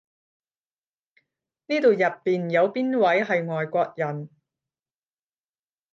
呢度入邊有邊位係外國人？